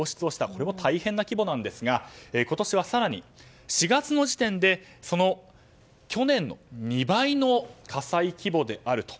これも大変な規模なんですが今年は更に、４月の時点で去年の２倍の火災規模であると。